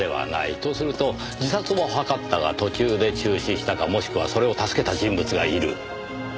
とすると自殺を図ったが途中で中止したかもしくはそれを助けた人物がいる。